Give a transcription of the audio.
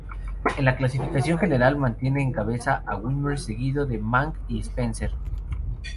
En la clasificación general, mantiene en cabeza a Wimmer seguido de Mang y Spencer.